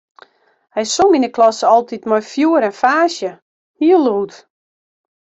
Hy song yn 'e klasse altyd mei fjoer en faasje, hiel lûd.